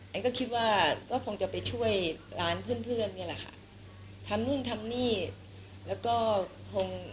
ก็คิดว่าก็คงจะไปช่วยร้านเพื่อนเพื่อนนี่แหละค่ะทำนู่นทำนี่แล้วก็คง